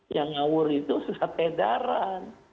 yang ngawur itu susah pedaran